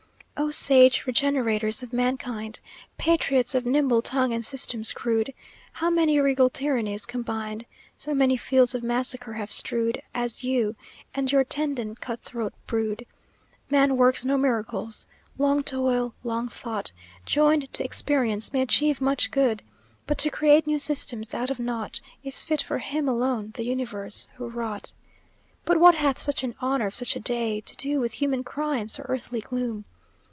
"O sage regenerators of mankind! Patriots of nimble tongue and systems crude! How many regal tyrannies combined, So many fields of massacre have strewed As you, and your attendant cut throat brood? Man works no miracles; long toil, long thought, Joined to experience, may achieve much good, But to create new systems out of nought, Is fit for Him alone, the universe who wrought. "But what hath such an hour of such a day To do with human crimes, or earthly gloom?